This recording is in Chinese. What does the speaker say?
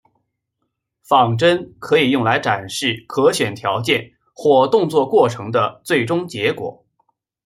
仿真可以用来展示可选条件或动作过程的最终结果。